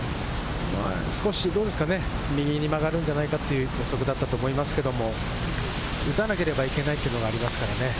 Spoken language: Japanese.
少し右に曲がるんじゃないかなという予測だったと思いますけれど、打たなければいけないというのがありますからね。